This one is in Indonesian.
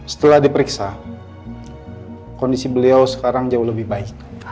setelah diperiksa kondisi beliau sekarang jauh lebih baik